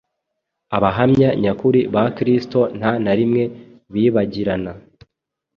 Abahamya nyakuri ba Kristo nta na rimwe bibagirana.